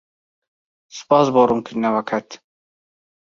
سوپاس بۆ ڕوونکردنەوەکەت.